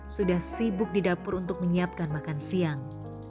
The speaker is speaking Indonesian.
sudah sibuk di dapur untuk menyiapkan makan siang